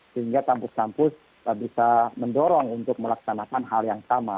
sehingga kampus kampus bisa mendorong untuk melaksanakan hal yang sama